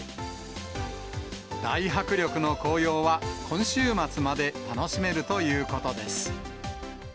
大迫力の紅葉は、今週末まで楽しめるということです。